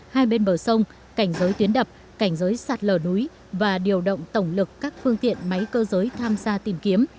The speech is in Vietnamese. hai bên bờ sông cảnh giới tuyến đập cảnh giới sạt lở núi và điều động tổng lực các phương tiện máy cơ giới tham gia tìm kiếm